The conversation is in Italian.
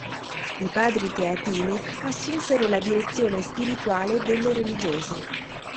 I padri teatini assunsero la direzione spirituale delle religiose.